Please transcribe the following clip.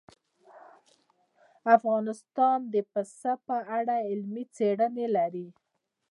افغانستان د پسه په اړه علمي څېړنې لري.